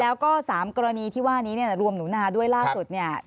แล้วก็๓กรณีที่ว่านี้เนี่ยรวมหนูนาด้วยล่าสุดเนี่ย